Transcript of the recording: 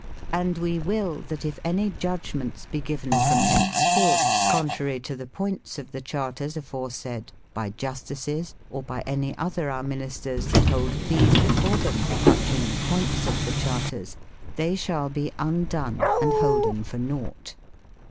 And we will that if any judgments be given from henceforth, contrary to the points of the charters aforesaid by justices or by any other our ministers that hold pleas before them touching the points of the charters, they shall be undone and holden for naught.